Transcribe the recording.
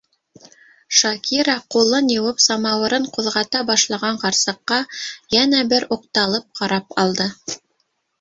- Шакира ҡулын йыуып самауырын ҡуҙғата башлаған ҡарсыҡҡа йәнә бер уҡталып ҡарап алды.